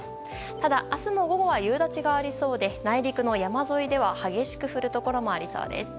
ただ、明日も午後は夕立がありそうで内陸の山沿いでは激しく降るところもありそうです。